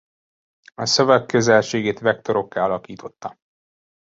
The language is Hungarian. A szavak közelségét vektorokká alakította.